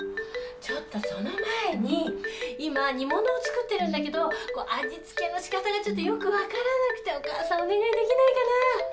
ちょっとその前に今煮物を作ってるんだけど味付けのしかたがちょっとよく分からなくてお母さんお願いできないかな？